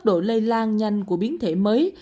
độ lây lan nhanh của biến thể mới